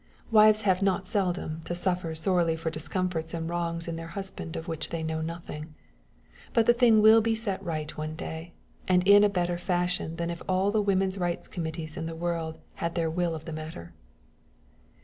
Wives have not seldom to suffer sorely for discomforts and wrongs in their husbands of which they know nothing. But the thing will be set right one day, and in a better fashion than if all the woman's rights' committees in the world had their will of the matter.